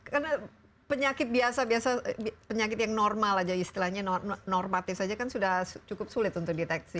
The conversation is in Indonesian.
karena penyakit biasa biasa penyakit yang normal aja istilahnya normatif saja kan sudah cukup sulit untuk dideteksi